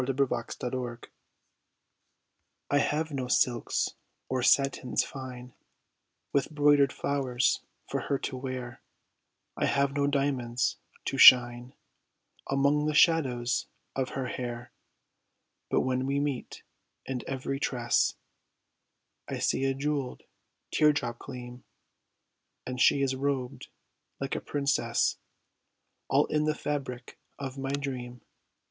123 "IN FORMA PAUPERIS" I HAVE no silks or satins fine With broidered flowers for her to wear, I have no diamonds to shine Among the shadows of her hair; But when we meet, in every tress I see a jewelled tear drop gleam, And she is robed like a princess All in the fabric of my dream.